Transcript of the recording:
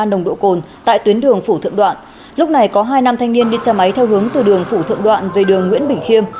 nồng độ cồn tại tuyến đường phủ thượng đoạn lúc này có hai nam thanh niên đi xe máy theo hướng từ đường phủ thượng đoạn về đường nguyễn bình khiêm